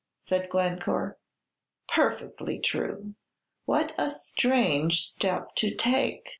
said Glencore. "Perfectly true." "What a strange step to take!